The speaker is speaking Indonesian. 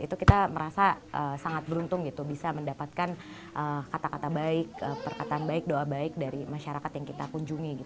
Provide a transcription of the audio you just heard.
itu kita merasa sangat beruntung bisa mendapatkan kata kata baik perkataan baik doa baik dari masyarakat yang kita kunjungi